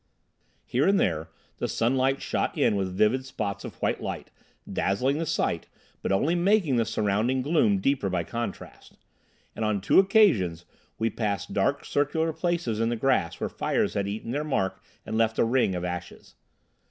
Here and there the sunlight shot in with vivid spots of white light, dazzling the sight, but only making the surrounding gloom deeper by contrast. And on two occasions we passed dark circular places in the grass where fires had eaten their mark and left a ring of ashes.